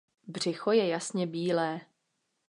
Břicho je jasně bílé.